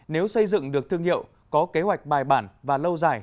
nếu xây dựng được thương hiệu có kế hoạch bài bản và lâu dài